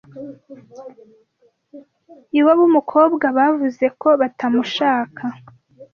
Iwabo w’umukobwa bavuzeko batamushaka